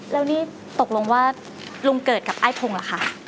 แล้วนี่ตกลงว่าลุงเกิดกับไอ้พงศ์ล่ะคะ